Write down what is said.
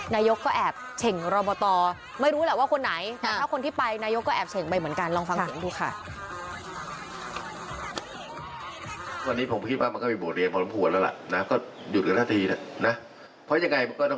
นายกก็แอบเฉ่งรอบตไม่รู้แหละว่าคนไหนแต่ถ้าคนที่ไปนายกก็แอบเฉ่งไปเหมือนกันลองฟังเสียงดูค่ะ